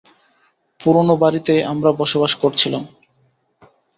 পুরনো বাড়িতেই আমরা বসবাস করছিলাম।